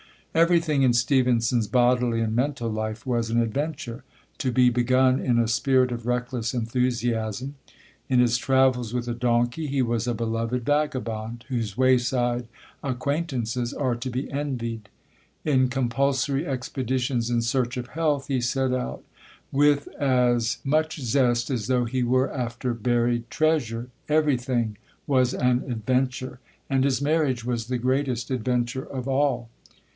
Everything in Stevenson's bodily and mental life was an adventure, to be begun in a spirit of reckless enthusiasm. In his travels with a donkey, he was a beloved vagabond, whose wayside acquaintances are to be envied; in compulsory expeditions in search of health, he set out with as much zest as though he were after buried treasure; everything was an adventure, and his marriage was the greatest adventure of all.